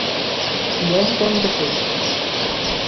— Мом кондышыч?